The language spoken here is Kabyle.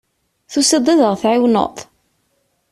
Tusiḍ-d ad ɣ-tεiwneḍ?